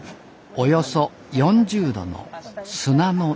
およそ４０度の砂の寝床。